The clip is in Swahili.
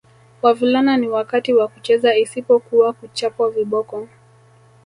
Wavulana ni wakati wa kucheza isipokuwa kuchapwa viboko